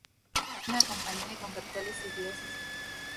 Es una compañía con capitales ingleses.